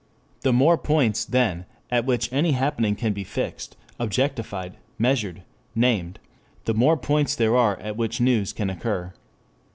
The more points, then, at which any happening can be fixed, objectified, measured, named, the more points there are at which news can occur.